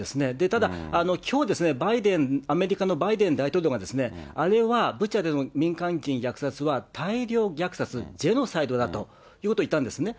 ただ、きょう、バイデン、アメリカのバイデン大統領が、あれは、ブチャでの民間人の虐殺は大量虐殺、ジェノサイドだと言ったんですね。